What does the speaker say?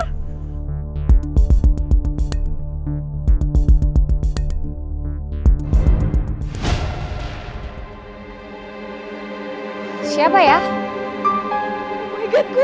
wuhh kenapa musti gue sih yang lempar